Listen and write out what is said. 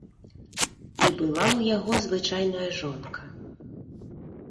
І была ў яго звычайная жонка.